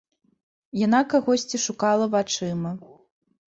Яна кагосьці шукала вачыма.